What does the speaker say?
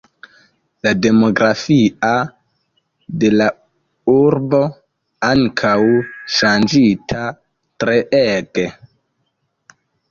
La demografia de la urbo ankaŭ ŝanĝita treege.